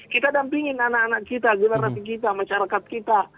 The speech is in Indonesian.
kita dampingin anak anak kita generasi kita masyarakat kita